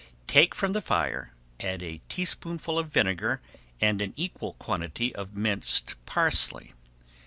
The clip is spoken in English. Take from the fire, add a teaspoonful of vinegar, and an equal quantity of minced parsley.